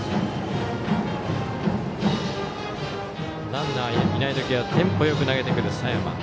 ランナーがいない時はテンポよく投げてくる佐山。